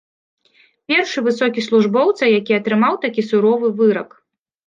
Першы высокі службоўца, які атрымаў такі суровы вырак.